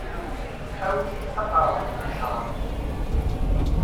Awi-yi-d taqerɛunt n cṛab.